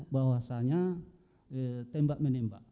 bahwasanya tembak menembak